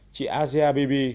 chị asia bebe